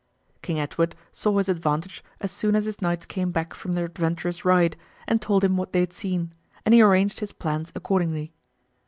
King Edward saw his advantage as soon as his knights came back from their adventurous ride and told him what they had seen, and he arranged his plans accordingly.